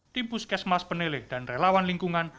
di puskesmas penelit dan relawan lingkungan